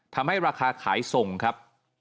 ทำให้ราคาขายส่งครับ